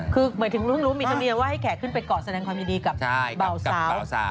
คือหมายถึงเพิ่งรู้มีธรรมเนียว่าให้แขกขึ้นไปกอดแสดงความยินดีกับเบาสาว